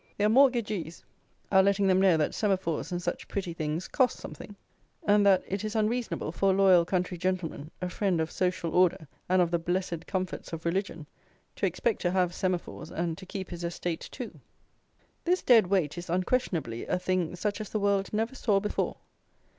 Their mortagees are letting them know that Semaphores and such pretty things cost something, and that it is unreasonable for a loyal country gentleman, a friend of "social order" and of the "blessed comforts of religion" to expect to have Semaphores and to keep his estate too. This Dead Weight is, unquestionably, a thing, such as the world never saw before.